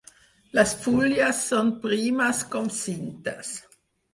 Les fulles són primes com cintes.